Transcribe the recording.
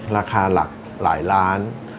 ราคาหลากหลายล้าน